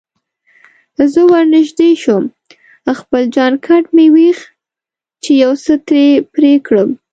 زه ورنژدې شوم، خپل جانکټ مې وکیښ چې یو څه ترې پرې کړم.